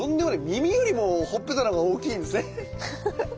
耳よりもほっぺたのほうが大きいんですね。